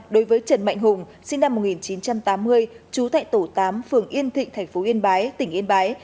đối với trần mạnh hùng sinh năm một nghìn chín trăm tám mươi chú tại tổ tám phường yên thịnh thành phố yên bái tỉnh yên bái